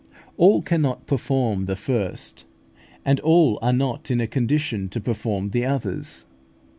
All cannot perform the first, and all are not in a condition to perform the others.